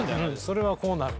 それはこうなる」